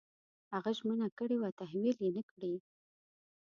هغه ژمنه کړې وه تحویل یې نه کړې.